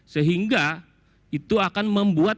sehingga itu akan membuat